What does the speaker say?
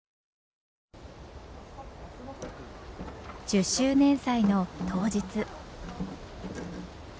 １０周年祭の当日。